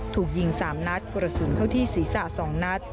ถูกยิง๓นัดกระสุนเข้าที่ศีรษะ๒นัด